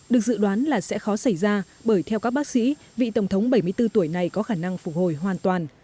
được dự đoán là sẽ khó xảy ra bởi theo các bác sĩ vị tổng thống bảy mươi bốn tuổi này có khả năng phục hồi hoàn toàn